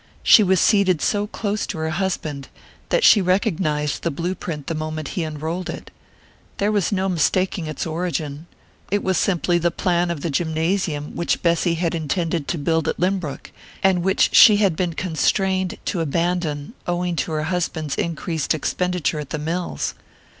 She was seated so close to her husband that she had recognized the blue print the moment he unrolled it. There was no mistaking its origin it was simply the plan of the gymnasium which Bessy had intended to build at Lynbrook, and which she had been constrained to abandon owing to her husband's increased expenditure at the mills.